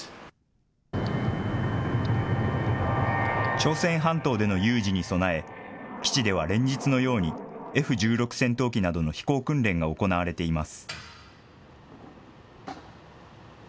朝鮮半島での有事に備え、基地では連日のように、Ｆ１６戦闘機などの飛行訓練が行われています。